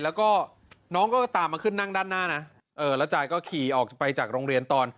แล้วก็น้องก็ตามมาขึ้นนั่งด้านหน้านะแล้วจ่ายก็ขี่ออกไปจากโรงเรียนตอน